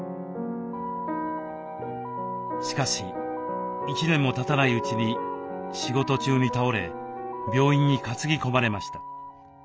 しかし１年もたたないうちに仕事中に倒れ病院に担ぎ込まれました。